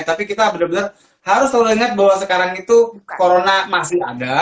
tapi kita benar benar harus selalu ingat bahwa sekarang itu corona masih ada